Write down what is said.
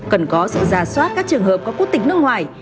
cần có sự giả soát các trường hợp có quốc tịch nước ngoài